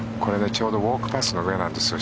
ちょうどウォークパスの上なんですよ。